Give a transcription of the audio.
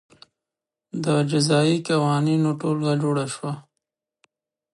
د جزايي قوانینو ټولګه جوړه شوه.